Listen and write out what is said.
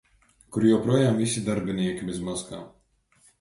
Kur joprojām visi darbinieki bez maskām.